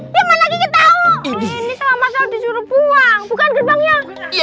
ya mana kiki tau ini sama mas al disuruh buang bukan gerbangnya